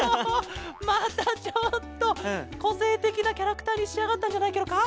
またちょっとこせいてきなキャラクターにしあがったんじゃないケロか。